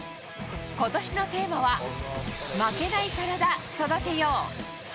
今年のテーマは負けないカラダ、育てよう。